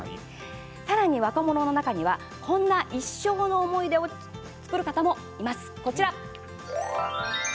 さらに若者の中にはこんな一生ものの思い出を作る方もいます。